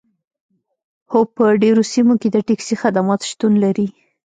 هو په ډیرو سیمو کې د ټکسي خدمات شتون لري